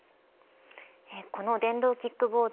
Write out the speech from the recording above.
この電動キックボード